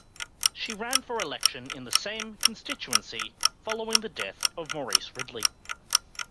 She ran for election in the same constituency following the death of Maurice Ridley.